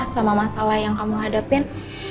sama masalah yang kamu hadapin